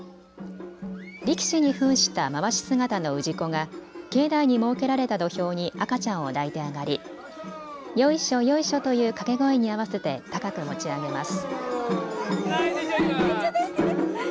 力士にふんしたまわし姿の氏子が境内に設けられた土俵に赤ちゃんを抱いて上がりよいしょ、よいしょという掛け声に合わせて高く持ち上げます。